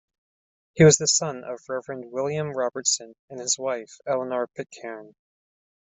He was the son of Reverend William Robertson and his wife Eleanor Pitcairn.